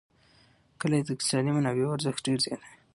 کلي د اقتصادي منابعو ارزښت ډېر زیاتوي.